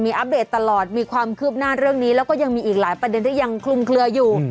อัปเดตตลอดมีความคืบหน้าเรื่องนี้แล้วก็ยังมีอีกหลายประเด็นที่ยังคลุมเคลืออยู่